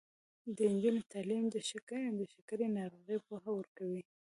د نجونو تعلیم د شکرې ناروغۍ پوهه ورکوي.